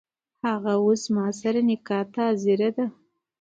هغه اوس له ماسره نکاح ته حاضره ده.